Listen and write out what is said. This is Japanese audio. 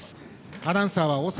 アナウンサーは大坂。